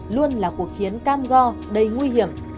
luôn là cuộc chiến cam go đầy nguy hiểm